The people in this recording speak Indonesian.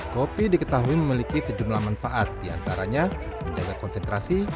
kopi diketahui memiliki sejumlah manfaat diantaranya menjaga konsentrasi